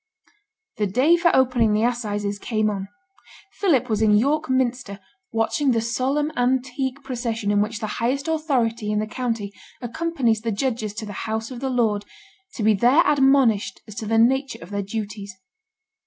The day for opening the assizes came on. Philip was in York Minster, watching the solemn antique procession in which the highest authority in the county accompanies the judges to the House of the Lord, to be there admonished as to the nature of their duties.